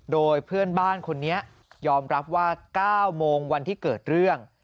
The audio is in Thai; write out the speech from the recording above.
โดยเพื่อนบ้านคนนี้ยอมรับว่า๙โมงวันที่เกิดเรื่อง